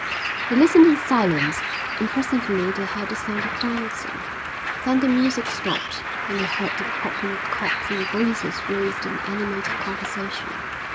They listened in silence, and presently they heard the sound of dancing. Then the music stopped, and they heard the popping of corks and voices raised in animated conversation.